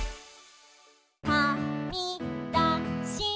「はみだした」